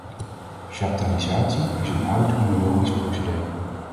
Chaptalisatie is een oud oenologisch procedé.